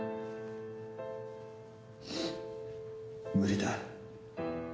無理だ。